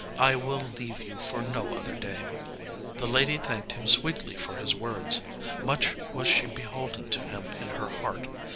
I will leave you for no other dame." The lady thanked him sweetly for his words. Much was she beholden to him in her heart.